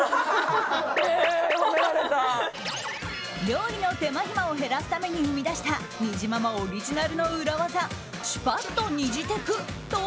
料理の手間暇を減らすために生み出したにじままオリジナルの裏技しゅぱっと！